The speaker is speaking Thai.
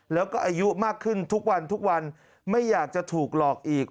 แล้วก็อายุมากขึ้นทุกวันทุกวันไม่อยากจะถูกหลอกอีก